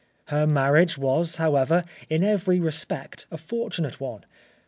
Her marriage was, however, in every respect a fortunate one.